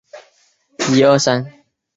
由主办方负责在分赛区当地挑选。